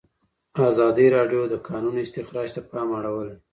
ازادي راډیو د د کانونو استخراج ته پام اړولی.